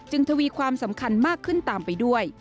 ทวีความสำคัญมากขึ้นตามไปด้วย